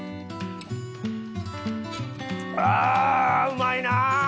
うまいな！